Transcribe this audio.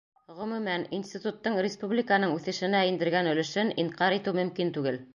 Ғөмүмән, институттың республиканың үҫешенә индергән өлөшөн инҡар итеү мөмкин түгел.